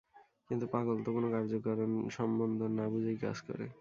কিন্তু পাগল তো কোনো কার্যকারণ সম্বন্ধ না বুঝেই কাজ করে।